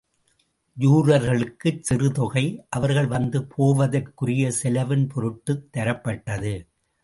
ஜூரர்களுக்குச் சிறு தொகை, அவர்கள் வந்து போவதற்குரிய செலவின் பொருட்டுத் தரப்பட்டது.